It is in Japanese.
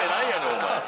お前。